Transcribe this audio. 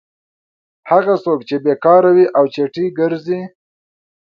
هغه څوک چې بېکاره وي او چټي ګرځي.